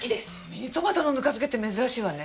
ミニトマトのぬか漬けって珍しいわね。